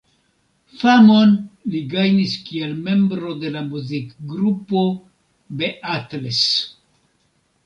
Famon li gajnis kiel membro de la muzikgrupo Beatles.